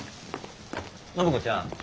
暢子ちゃん